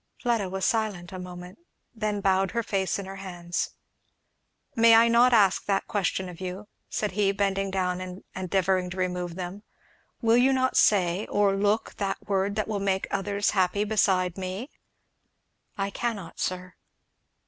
Fleda was silent a moment, and then bowed her face in her hands. "May I not ask that question of you?" said he, bending down and endeavouring to remove them; "will you not say or look that word that will make others happy beside me?" "I cannot, sir."